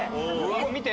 見て。